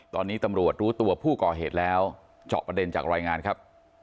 ตอนนี้ตำรวจรู้ตัวผู้ก่อเหตุแล้วเจาะประเด็นจากรายงานครับ